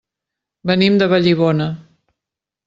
Venim de Vallibona.